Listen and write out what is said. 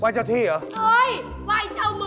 กว่าจะหาเจอโอ๊ยอย่างนั้นไม่ได้ไหว้เจ้าเลยนะนี่